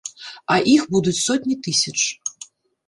А іх будуць сотні тысяч.